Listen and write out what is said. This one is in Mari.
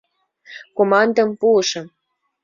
— командым пуышым.